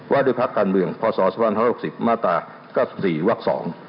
ว่าด้วยพักการเมืองพศ๒๕๖๐มาตรา๙๔วัก๒